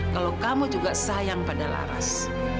kalau kamu juga sayang pada laras